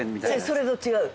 それと違う。